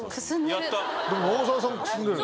でも長澤さんもくすんでる。